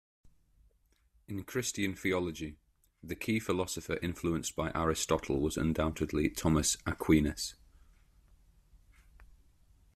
In Christian theology, the key philosopher influenced by Aristotle was undoubtedly Thomas Aquinas.